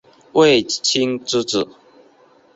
卫青之子。